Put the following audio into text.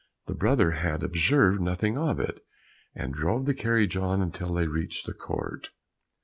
The brother had observed nothing of it, and drove the carriage on until they reached the court.